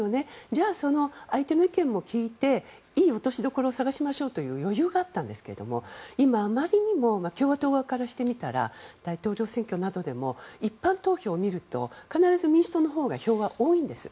じゃあ、その相手の意見も聞いていい落としどころを探しましょうという余裕があったんですけれども今はあまりにも共和党側からしてみたら大統領選挙などでも一般投票を見ると必ず民主党のほうが票が多いんです。